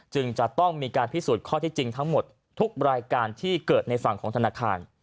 จึงจะต้องมีการพิสูจน์ข้อที่จริงทั้งหมดทุกรายการที่เกิดในฝั่งของธนาคาร